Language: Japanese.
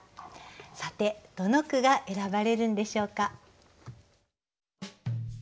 さてどの句が選ばれるんでしょうか。